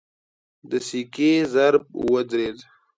د سکې ضرب ودرېد.